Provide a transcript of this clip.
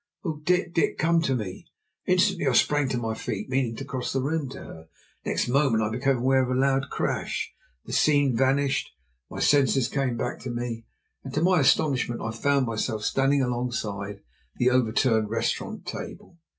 "Oh, Dick! Dick! come to me!" Instantly I sprang to my feet, meaning to cross the room to her. Next moment I became aware of a loud crash. The scene vanished, my senses came back to me; and to my astonishment I found myself standing alongside the overturned restaurant table.